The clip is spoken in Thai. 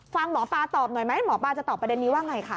ฟังหมอปลาตอบหน่อยไหมหมอปลาจะตอบประเด็นนี้ว่าไงคะ